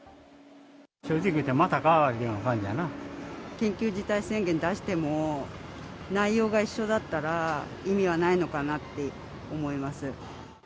正直言うて、緊急事態宣言出しても、内容が一緒だったら意味がないのかなって思います。